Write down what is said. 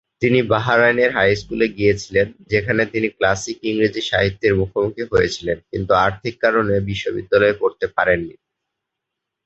তিনি বাহরাইনের হাই স্কুলে গিয়েছিলেন, যেখানে তিনি ক্লাসিক ইংরেজি সাহিত্যের মুখোমুখি হয়েছিলেন, কিন্তু আর্থিক কারণে বিশ্ববিদ্যালয়ে পড়তে পারেননি।